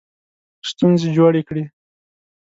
ستونزې جوړې کړې.